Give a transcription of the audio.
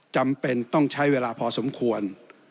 จำเป็นต้องใช้เวลาพอสมควร